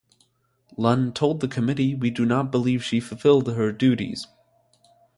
Lunn told the committee: We do not believe she fulfilled her duties.